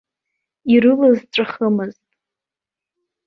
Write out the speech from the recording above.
Ирылаз ҵәахымызт.